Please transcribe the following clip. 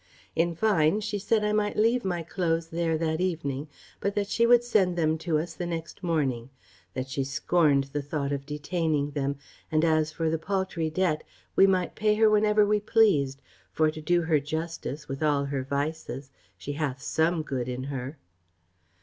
In fine, she said I might leave my cloaths there that evening, but that she would send them to us the next morning; that she scorned the thought of detaining them; and as for the paultry debt, we might pay her whenever we pleased; for, to do her justice, with all her vices, she hath some good in her."